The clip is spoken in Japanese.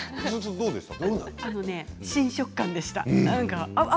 あのね、新食感でした。